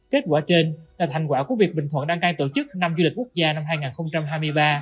kết quả trên là thành quả của việc bình thuận đăng cai tổ chức năm du lịch quốc gia năm hai nghìn hai mươi ba